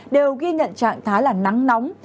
đều có những nơi có nắng nóng